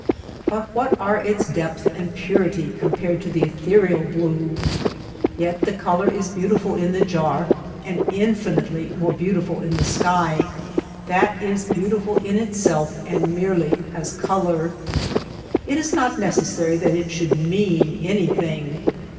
But what are its depth and purity compared to the ethereal blue ! Yet the color is beautiful in the jar and infinitely more beautiful in the sky — that is beautiful in itself and merely as color. It is not necessary that it should mean anything.